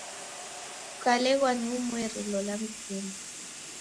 Kukaleghwa ni umweri, lola mzima.